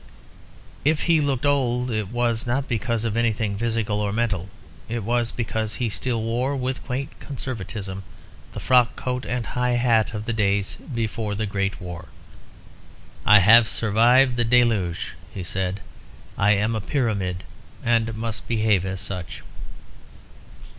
If he looked old, it was not because of anything physical or mental. It was because he still wore, with a quaint conservatism, the frock coat and high hat of the days before the great war. "I have survived the Deluge," he said. "I am a pyramid, and must behave as such."